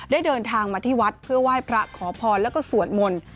เดินทางมาที่วัดเพื่อไหว้พระขอพรแล้วก็สวดมนต์